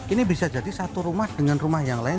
ini bisa jadi satu rumah dengan rumah yang lain